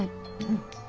うん。